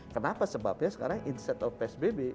kenapa sebabnya sekarang instead of fast baby